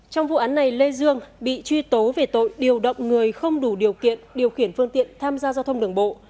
trong vụ án này lê dương bị truy tố về tội điều động người không đủ điều kiện điều khiển phương tiện tham gia giao thông đường bộ